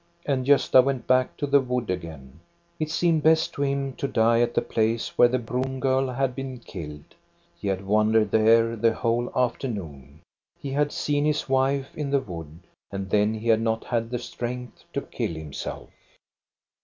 And Gosta went back to the wood again. It seemed best to him to die at the place where the broom girl had been killed. He had wandered there the whole after THE FOREST COTTAGE 449 no jji. He had seen his wife in the wood ; and then he had not had the strength to kill himself.